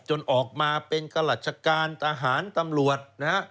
จนออกมาเป็นกระหลัดการทหารตำรวจนะฮะ